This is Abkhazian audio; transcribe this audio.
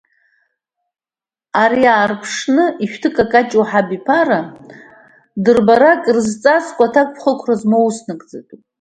Ари аарԥшны, ишәҭыкакаҷуа ҳабиԥара, дырбара, крызҵазкуа, аҭакԥхықәра змоу уснагӡатәуп.